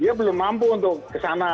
dia belum mampu untuk ke sana